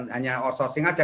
hanya outsourcing saja